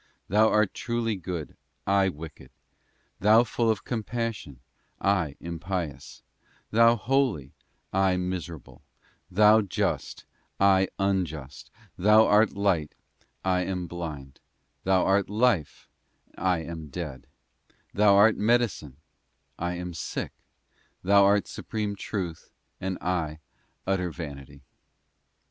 Thou art truly good, I wicked ; Thou full of compassion, I impious; Thou holy, I miserable; Thou just, I unjust ; Thou art light, Iam blind; Thou art life, and lam dead; Thou art medicine, I am sick ; Thou supreme truth, and I utter vanity.